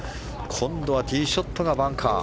今度はティーショットがバンカー。